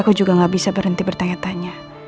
aku juga gak bisa berhenti bertanya tanya